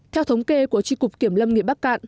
theo thống kê của tri cục kiểm lâm nghệ bắc